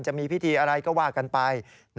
จะมีพิธีอะไรก็ว่ากันไป